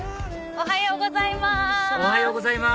おはようございます。